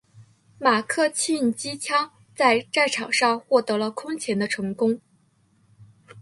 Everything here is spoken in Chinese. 马克沁机枪在战场上获得了空前的成功。